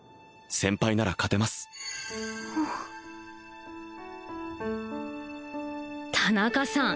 先輩なら勝てます田中さん